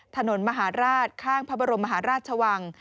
ถนนมหาราชข้างพระบรมมหาราชวัง